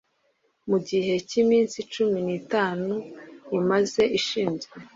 mu gihe cy iminsi cumi n itanu imaze ishinzwe